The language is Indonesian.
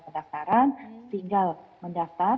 pendaftaran tinggal mendaftar